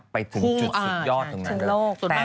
ไปถึงจุดสุดยอดตรงนั้น